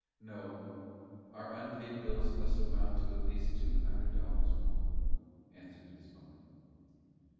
"No; our unpaid bills must amount to at least two hundred dollars more," answered his mother.